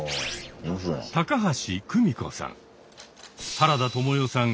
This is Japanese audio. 原田知世さん